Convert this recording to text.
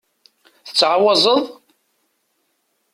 Tettɛawazeḍ?